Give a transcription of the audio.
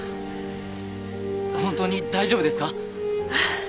本当に大丈夫ですか？